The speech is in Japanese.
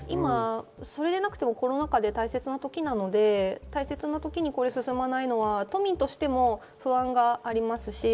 それでなくてもコロナ禍で大切な時なので、進まないので、都民としても不安があります。